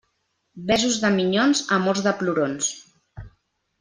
Besos de minyons, amors de plorons.